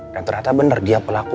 dan ternyata bener dia pelaku